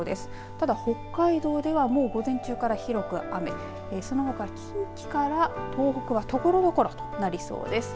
ただ北海道ではもう午前中から広く雨そのほか近畿から東北はところどころとなりそうです。